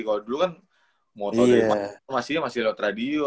kalau dulu kan mau tau dari atmajaya masih lewat radio